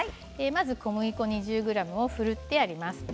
小麦粉２０ｇをふるってあります。